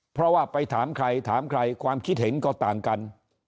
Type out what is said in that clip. เพราะว่าไปถามใครถามใครความคิดเห็นก็ต่างกัน